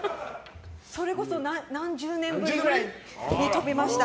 それこそ何十年ぶりぐらいに跳びました。